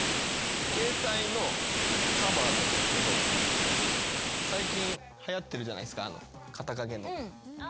携帯のカバーなんですけど最近はやってるじゃないですか肩掛けの。